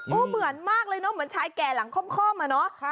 เหมือนมากเลยเนอะเหมือนชายแก่หลังค่อมอะเนาะ